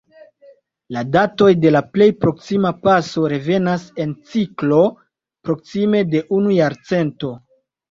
La datoj de la plej proksima paso revenas en ciklo proksime de unu jarcento.